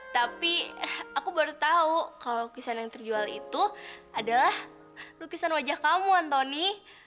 tapi aku baru tahu kalau lukisan yang terjual itu adalah lukisan wajah kamu antoni